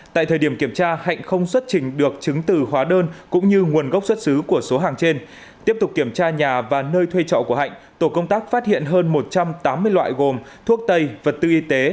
tại thời điểm kiểm tra hạnh không xuất trình được chứng từ hóa đơn cũng như nguồn gốc xuất xứ của số hàng trên tiếp tục kiểm tra nhà và nơi thuê trọ của hạnh tổ công tác phát hiện hơn một trăm tám mươi loại gồm thuốc tây vật tư y tế